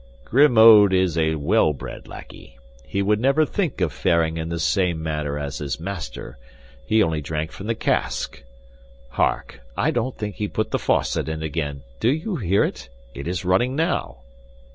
"Grimaud is a well bred lackey. He would never think of faring in the same manner as his master; he only drank from the cask. Hark! I don't think he put the faucet in again. Do you hear it? It is running now."